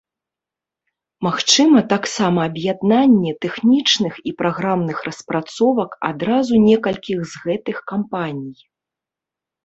Магчыма таксама аб'яднанне тэхнічных і праграмных распрацовак адразу некалькіх з гэтых кампаній.